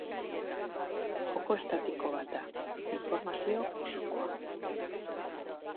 Joko estatiko bat da, informazio osokoa.